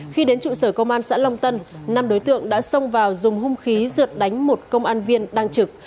khi đến trụ sở công an xã long tân năm đối tượng đã xông vào dùng hung khí rượt đánh một công an viên đang trực